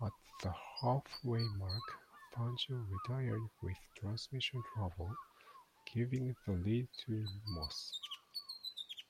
At the halfway mark, Fangio retired with transmission trouble, giving the lead to Moss.